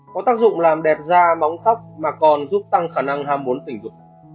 có tác dụng làm đẹp da bóng thấp mà còn giúp tăng khả năng ham muốn tình dục